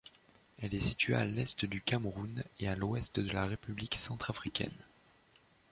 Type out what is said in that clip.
Elle est située à l'Est du Cameroun et à l'Ouest de la République centrafricaine.